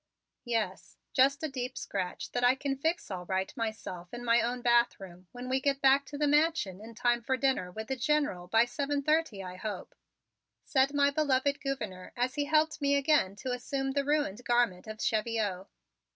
"Yes, just a deep scratch that I can fix all right myself in my own bathroom when we get back to the Mansion in time for dinner with the General by seven thirty, I hope," said my beloved Gouverneur as he helped me again to assume the ruined garment of cheviot.